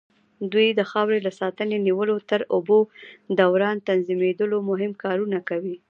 دوی د خاورې له ساتنې نيولې تر د اوبو دوران تنظيمولو مهم کارونه کوي.